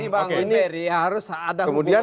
ini harus ada hubungan